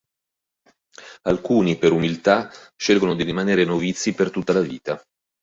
Alcuni, per umiltà, scelgono di rimanere novizi per tutta la vita.